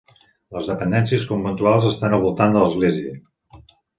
Les dependències conventuals estan al voltant de l'església.